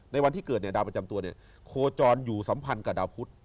ในวันที่เกิดดาวประจำตัวโคจรอยู่สัมพันธ์กับดาวพุทธ